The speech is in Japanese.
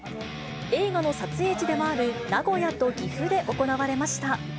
映画の撮影地でもある、名古屋と岐阜で行われました。